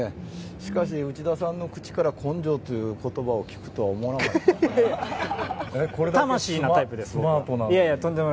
しかし、内田さんの口から根性という言葉を聞くとは思わなかったな。